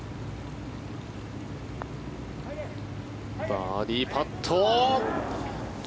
バーディーパット。